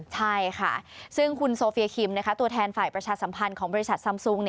ใช่ค่ะซึ่งคุณโซเฟียคิมตัวแทนฝ่ายประชาสัมพันธ์ของบริษัทซัมซุง